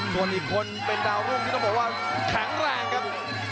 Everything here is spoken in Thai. ส่วนอีกคนเป็นดาวรุ่งที่ต้องบอกว่าแข็งแรงครับ